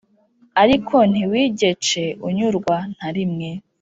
Ariko ntiwigece unyurwa (Narimwe)